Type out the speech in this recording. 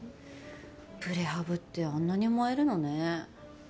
プレハブってあんなに燃えるのね。